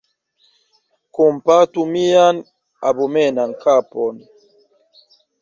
Kompatu mian abomenan kapon!